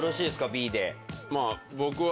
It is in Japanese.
Ｂで。